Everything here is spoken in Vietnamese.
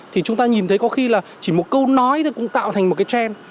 thì chúng ta nhìn thấy có khi là chỉ một câu nói thôi cũng tạo thành một cái trend